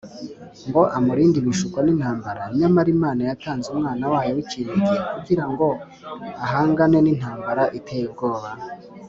, ngo amurinde ibishuko n’intambara. Nyamara Imana yatanze Umwana wayo w’ikinege, kugira ngo ahangane n’intambara iteye ubwoba